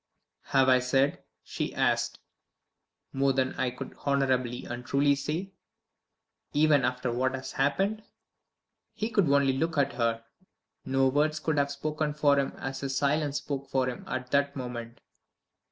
"Have I said," she asked, "more than I could honorably and truly say even after what has happened?" He could only look at her; no words could have spoken for him as his silence spoke for him at that moment.